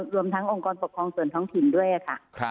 รวมทั้งองค์กรปกครองส่วนท้องถิ่นด้วยค่ะ